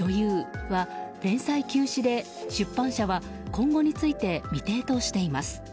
これは連載休止で出版社は今後について未定としています。